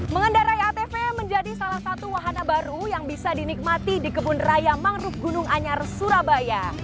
mengendarai atv menjadi salah satu wahana baru yang bisa dinikmati di kebun raya mangrove gunung anyar surabaya